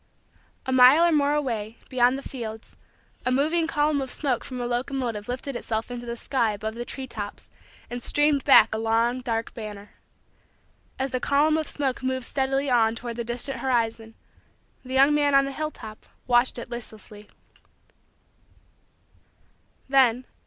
A mile or more away, beyond the fields, a moving column of smoke from a locomotive lifted itself into the sky above the tree tops and streamed back a long, dark, banner. As the column of smoke moved steadily on toward the distant horizon, the young man on the hilltop watched it listlessly.